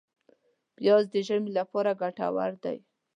پیاز د ژمي لپاره ګټور دی